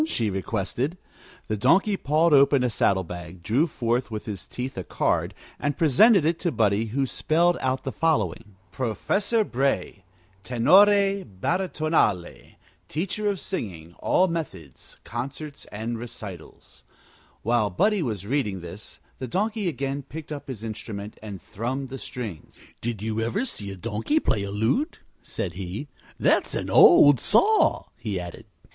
she requested. The Donkey pawed open a saddle bag, drew forth with his teeth a card, and presented it to Buddie, who spelled out the following: PROFESSOR BRAY TENORE BARITONALE TEACHER OF SINGING ALL METHODS CONCERTS AND RECITALS While Buddie was reading this the Donkey again picked up his instrument and thrummed the strings. "Did you ever see a donkey play a lute?" said he. "That's an old saw," he added.